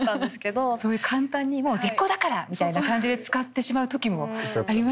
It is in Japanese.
そういう簡単に「もう絶交だから！」みたいな感じで使ってしまう時もありましたよね。